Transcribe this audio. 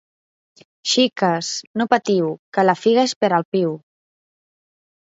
Xiques, no patiu, que la figa és per al piu.